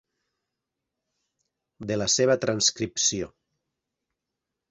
De la seva transcripció.